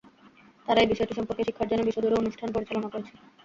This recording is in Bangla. তারা এই বিষয়টি সম্পর্কে শিক্ষার জন্য বিশ্বজুড়ে অনুষ্ঠান পরিচালনা করেছে।